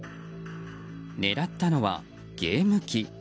狙ったのはゲーム機。